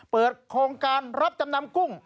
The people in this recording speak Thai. เปิดโครงการรับจำนำกุ้ง